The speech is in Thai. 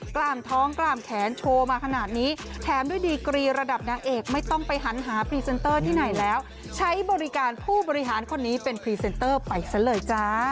กล้ามท้องกล้ามแขนโชว์มาขนาดนี้แถมด้วยดีกรีระดับนางเอกไม่ต้องไปหันหาพรีเซนเตอร์ที่ไหนแล้วใช้บริการผู้บริหารคนนี้เป็นพรีเซนเตอร์ไปซะเลยจ้า